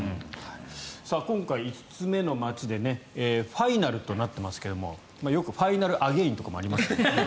今回、５つ目の街でファイナルとなってますけどよくファイナル・アゲインとかもありますから。